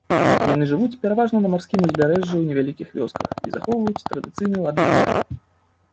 Яны жывуць пераважна на марскім узбярэжжы ў невялікіх вёсках і захоўваюць традыцыйны лад жыцця.